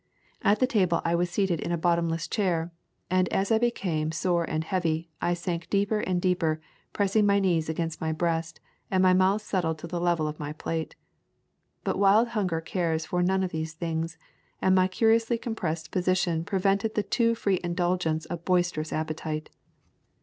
At the table I was seated in a bottomless chair, and as I became sore and heavy, I sank deeper and deeper, pressing my knees against my breast, and my mouth settled to the level of my plate. But wild hunger cares for none of these things, and my curiously compressed position prevented the too free indulgence of boisterous appetite.